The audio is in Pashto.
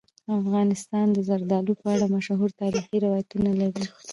افغانستان د زردالو په اړه مشهور تاریخی روایتونه لري.